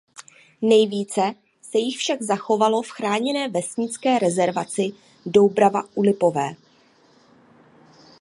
Nejvíce se jich však zachovalo v chráněné vesnické rezervaci Doubrava u Lipové.